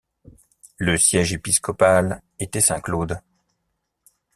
Le siège épiscopal était Saint-Claude.